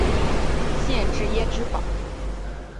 县治耶芝堡。